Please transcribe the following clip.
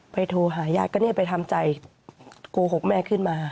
โทรหาญาติก็เนี่ยไปทำใจโกหกแม่ขึ้นมา